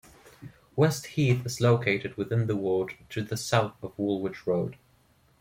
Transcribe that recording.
West Heath is located within the ward to the south of Woolwich road.